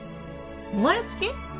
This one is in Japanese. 生まれつき？